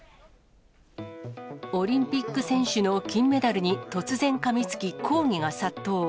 オリンピック選手の金メダルに突然かみつき、抗議が殺到。